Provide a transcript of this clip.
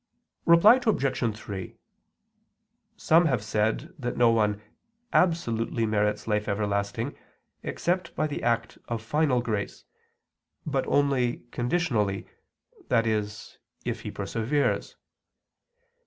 Reply Obj. 3: Some have said that no one absolutely merits life everlasting except by the act of final grace, but only conditionally, i.e. if he perseveres.